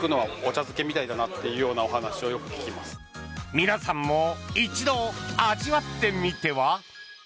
皆さんも一度味わってみては？